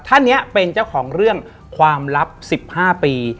ท่านนี้เป็นเจ้าของเรื่องความลับ๑๕ปี